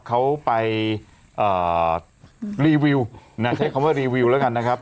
เขาไปรีวิวนะใช้คำว่ารีวิวแล้วกันนะครับ